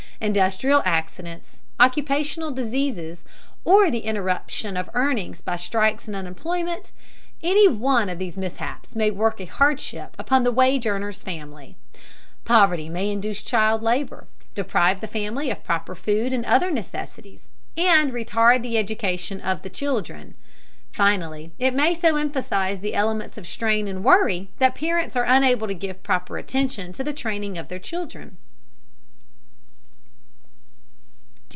Industrial accidents, occupational diseases, or the interruption of earnings by strikes and unemployment, any one of these mishaps may work a hardship upon the wage earner's family. Poverty may induce child labor, deprive the family of proper food and other necessities, and retard the education of the children. Finally it may so emphasize the elements of strain and worry that parents are unable to give proper attention to the training of their children.